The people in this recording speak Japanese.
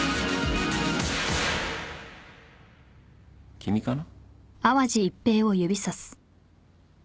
君かな？